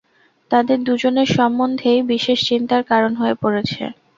তাঁদের দুজনের সম্বন্ধেই বিশেষ চিন্তার কারণ হয়ে পড়েছে।